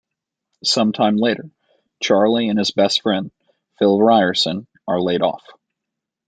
Some time later, Charlie and his best friend, Phil Ryerson, are laid off.